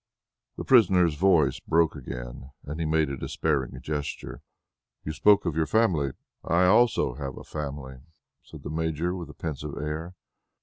The prisoner's voice broke again, and he made a despairing gesture. "You spoke of your family.... I also have a family," said the Major with a pensive air.